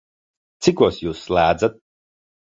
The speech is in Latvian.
Cikos Jūs slēdzat?